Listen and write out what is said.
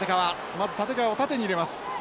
まず立川を縦に入れます。